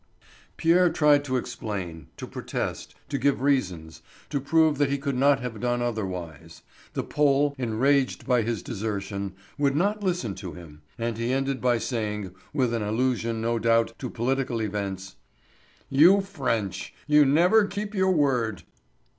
Pierre tried to explain, to protest, to give reasons, to prove that he could not have done otherwise; the Pole, enraged by his desertion, would not listen to him, and he ended by saying, with an allusion no doubt to political events: "You French—you never keep your word!"